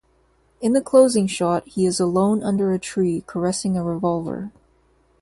In the closing shot, he is alone under a tree caressing a revolver.